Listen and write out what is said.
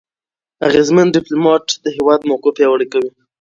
اغېزمن ډيپلوماټ د هېواد موقف پیاوړی کوي.